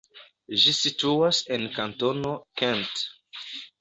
Ĝi situas en kantono Kent.